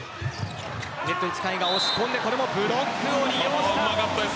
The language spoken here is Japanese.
ネットに近いが押し込んでこれもブロックを利用した。